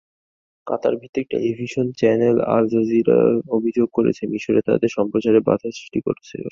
কাতারভিত্তিক television channel Al Jazeera অভিযোগ করেছে, মিসরে তাদের সম্প্রচারে বাধা সৃষ্টি করছে সরকার।